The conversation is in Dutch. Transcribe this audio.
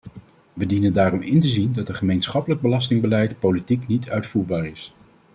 Wij dienen daarom in te zien dat een gemeenschappelijk belastingbeleid politiek niet uitvoerbaar is.